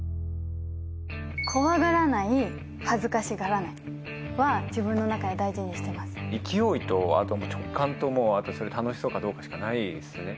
怖がらない恥ずかしがらないは自分の中で大事にしてます勢いとあとは直感ともう楽しそうかどうかしかないですね